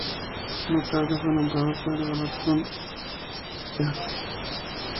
Más tarde fue nombrado por el Balatón, un lago de Hungría.